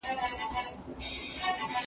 هغه د زنبورک توپونو په واسطه دښمن مات کړ.